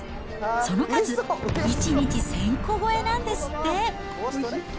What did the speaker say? その数、１日１０００個超えなんですって。